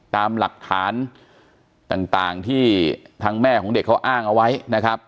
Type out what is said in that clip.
ตามหลักฐานต่างที่ทางแม่ของเด็กเขาอ้างเอาไว้นะครับ